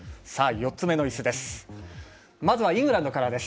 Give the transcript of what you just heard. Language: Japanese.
４つ目のいすです。